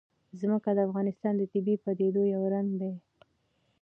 ځمکه د افغانستان د طبیعي پدیدو یو رنګ دی.